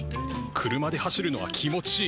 車で走るのは気持ちいい。